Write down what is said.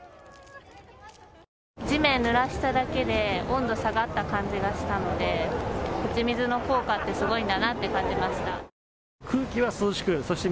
地面をぬらしただけで温度が下がった感じがしたので打ち水の効果ってすごいんだなって感じました。